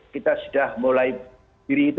kita sudah mulai berdiri itu